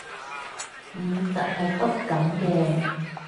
現實係骨感嘅